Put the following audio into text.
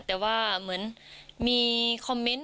แต่ว่าเหมือนมีคอมเมนต์